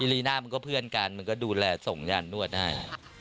ลีน่ามันก็เพื่อนกันมันก็ดูแลส่งยานนวดให้